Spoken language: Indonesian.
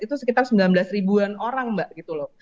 itu sekitar sembilan belas an orang mbak